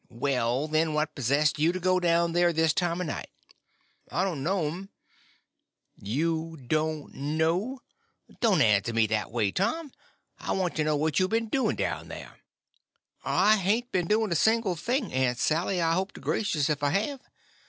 "Noth'n!" "No'm." "Well, then, what possessed you to go down there this time of night?" "I don't know 'm." "You don't know? Don't answer me that way. Tom, I want to know what you been doing down there." "I hain't been doing a single thing, Aunt Sally, I hope to gracious if I have."